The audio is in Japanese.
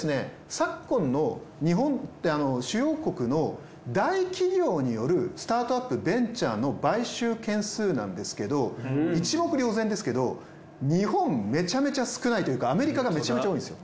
昨今の日本って主要国の大企業によるスタートアップベンチャーの買収件数なんですけど一目瞭然ですけど日本めちゃめちゃ少ないというかアメリカがめちゃめちゃ多いんですよ。